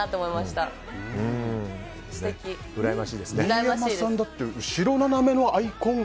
新山さんだって後ろ斜めのアイコン